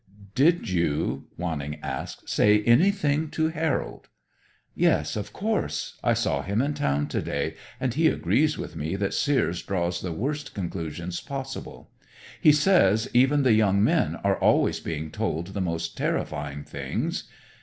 "Did you," Wanning asked, "say anything to Harold?" "Yes, of course. I saw him in town today, and he agrees with me that Seares draws the worst conclusions possible. He says even the young men are always being told the most terrifying things.